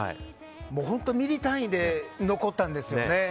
本当、ミリ単位で残ったんですよね。